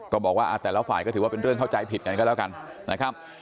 ก็บอกว่าแต่ละฝ่ายก็ถือว่าเป็นเรื่องเข้าใจผิดกันก็แล้วกันนะครับ